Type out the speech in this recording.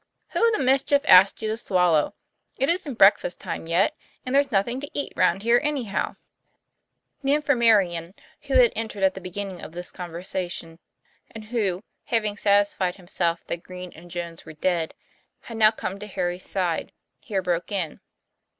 " Who the mischief asked you to swallow ? It isn't breakfast time yet, and there's nothing to eat round here, anyhow." The infirmarian, who had entered at the beginning of this conversation, and who, having satisfied him self that Green and Jones were dead, had now come to Harry's side, here broke in.